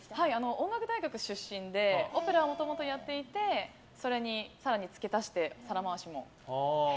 音楽大学出身でオペラを元々やっていてそれに更に付け足して皿回しも。